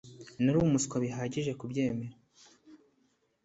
Nari umuswa bihagije kubyemera